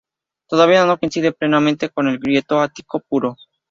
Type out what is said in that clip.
Todavía no coincide plenamente con el griego ático puro.